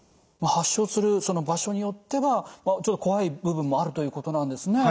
発症する場所によっては怖い部分もあるということなんですね。